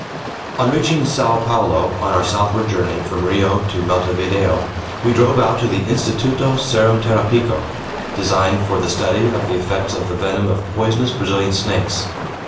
On reaching Sao Paulo on our southward journey from Rio to Montevideo, we drove out to the "Instituto Serumtherapico," designed for the study of the effects of the venom of poisonous Brazilian snakes.